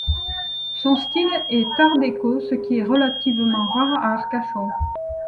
Son style est Art déco ce qui est relativement rare à Arcachon.